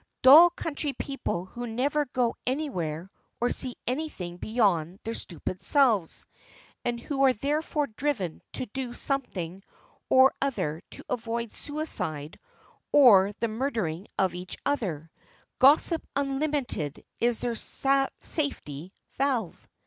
Dull country people who never go anywhere or see anything beyond their stupid selves, and who are therefore driven to do something or other to avoid suicide or the murdering of each other; gossip unlimited is their safety valve.